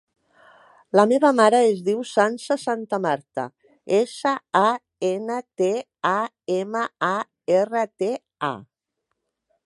La meva mare es diu Sança Santamarta: essa, a, ena, te, a, ema, a, erra, te, a.